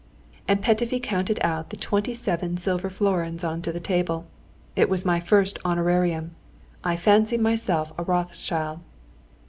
'" And Petöfi counted out the twenty seven silver florins on to the table. It was my first honorarium. I fancied myself a Rothschild.